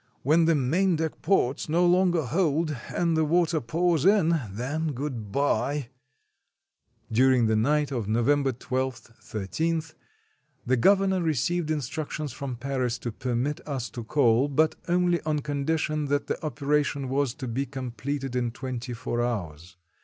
When the maindeck ports no longer hold and the water pours in — then good bye." During the night of November 12 13, the governor received instructions from Paris to permit us to coal, but only on condition that the operation was to be completed in twenty four hours.